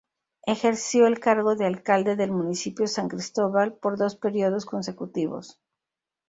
Ejerció el cargo de alcalde del Municipio San Cristóbal por dos períodos consecutivos.